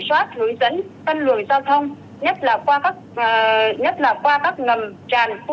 sẽ tuyên truyền hướng dẫn người dân tràng trẫm nhà cửa gia cố bảo vệ công trình